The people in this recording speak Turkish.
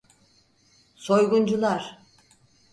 Soyguncular!